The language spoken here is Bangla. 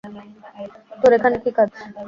তোর এখানে কী কাজ?